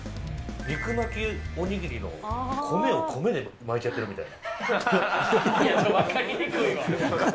肉巻きお握りの米を米で巻いちゃってるみたいな。